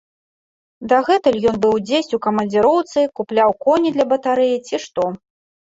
Дагэтуль ён быў дзесь у камандзіроўцы, купляў коні для батарэі, ці што.